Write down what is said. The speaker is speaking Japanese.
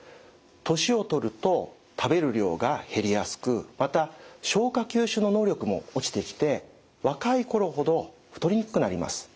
年を取ると食べる量が減りやすくまた消化吸収の能力も落ちてきて若い頃ほど太りにくくなります。